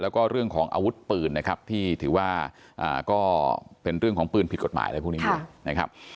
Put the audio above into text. แล้วก็เรื่องของอาวุธปืนนะครับที่ถือว่าก็เป็นเรื่องของปืนผิดกฎหมายอะไรพวกนี้ด้วยนะครับ